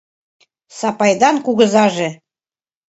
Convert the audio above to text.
Сапайдан кугызаже!..